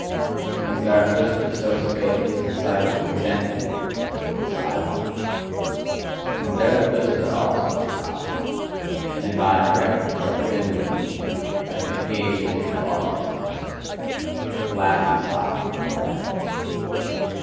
When Zarathustra so spake, his disciple resented it, but was silent. And Zarathustra also was silent; and his eye directed itself inwardly, as if it gazed into the far distance. At last he sighed and drew breath.